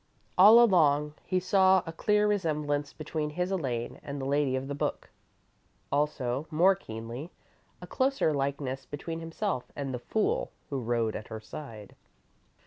All along, he saw a clear resemblance between his Elaine and the lady of the book, also, more keenly, a closer likeness between himself and the fool who rode at her side.